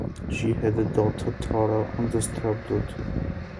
She had a daughter, Tara, and a stepdaughter.